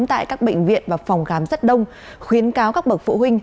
tại các bệnh viện và phòng khám rất đông khuyến cáo các bậc phụ huynh